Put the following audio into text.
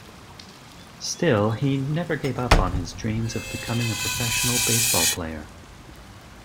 Still, he never gave up on his dreams of becoming a professional baseball player.